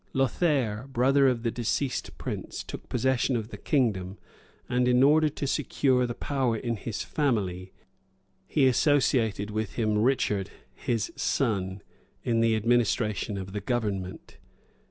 Lothaire, brother of the deceased prince, took possession of the kingdom; and in order to secure the power in his family, he associated with him Richard, his son, in the administration of the government.